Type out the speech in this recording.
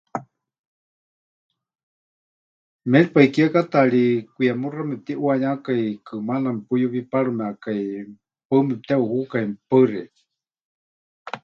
Méripai kiekátaari kwiemuxa mepɨtiʼuayákai, kɨmaana mepuyuwiparɨmekai, paɨ mepɨteʼuhukai. Mɨpaɨ xeikɨ́a.